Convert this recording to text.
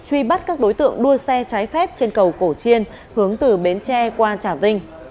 truy bắt các đối tượng đua xe trái phép trên cầu cổ chiên hướng từ bến tre qua trà vinh